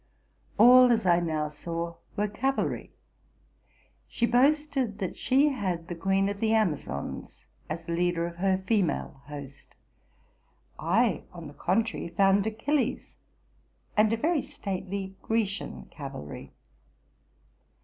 All, as I now saw, were cavalry. She boasted that she had the queen of the Amazons as leader of her female host. I, on the contrary, found Achilles and a very stately Grecian vavalry.